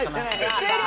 終了！